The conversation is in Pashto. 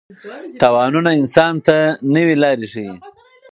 تاوانونه انسان ته نوې لارې ښيي.